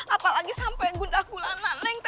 apalagi sampai gundah gulanan neng